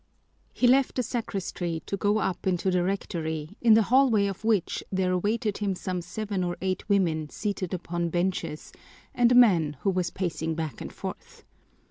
He left the sacristy to go up into the rectory, in the hallway of which there awaited him some seven or eight women seated upon benches and a man who was pacing back and forth.